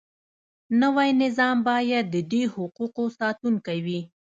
نوی نظام باید د دې حقوقو ساتونکی وي.